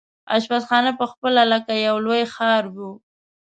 اشپزخانه پخپله لکه یو لوی ښار وو.